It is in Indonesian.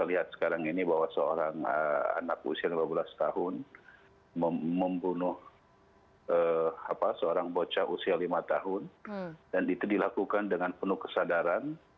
kita lihat sekarang ini bahwa seorang anak usia lima belas tahun membunuh seorang bocah usia lima tahun dan itu dilakukan dengan penuh kesadaran